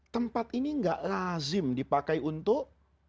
tempat ini gak lazim dipakai untuk